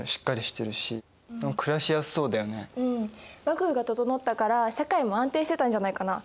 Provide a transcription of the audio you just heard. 幕府が整ったから社会も安定してたんじゃないかな。